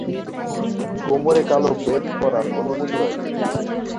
কোমরে কালো বেল্ট পরার অনুমতি রয়েছে।